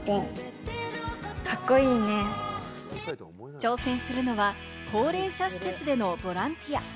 挑戦するのは高齢者施設でのボランティア。